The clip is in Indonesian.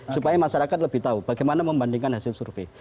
supaya masyarakat lebih tahu bagaimana membandingkan hasil survei